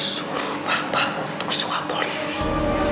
suruh bapak untuk suah polisi